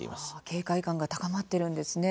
警戒感が高まっているんですね。